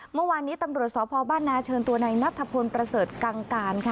เมื่อวานนี้ตำรวจสพบ้านนาเชิญตัวในนัทพลประเสริฐกังการค่ะ